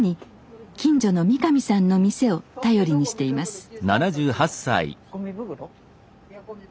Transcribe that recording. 近所の三上さんの店を頼りにしています。